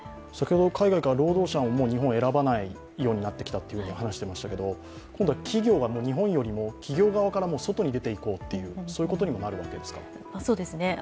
海外から労働者がもう日本を選ばないようになってきたと話していましたけど、今度は企業が日本よりも企業側からも外に出ていこうということにもなるわけですか？